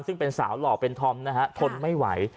ซึ่งเป็นสาวหล่อเป็นธอมนะฮะทนไม่ไหว